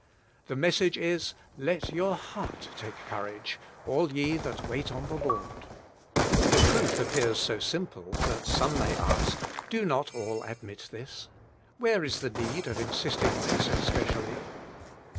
The message is, *Lci your heart take courage, all ye that wait on the Lord.* 50 WAITING ON GOD I The truth appears so simple, that some may ask, Do not all admit this? where is the need of insisting on it so specially?